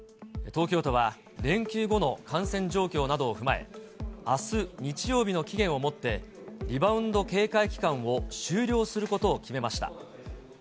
東京都は連休後の感染状況などを踏まえ、あす日曜日の期限をもって、リバウンド警戒期間を終了することを決めました。